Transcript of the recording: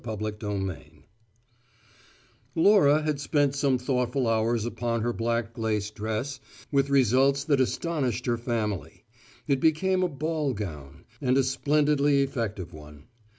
CHAPTER FIFTEEN Laura had spent some thoughtful hours upon her black lace dress with results that astonished her family: it became a ball gown and a splendidly effective one.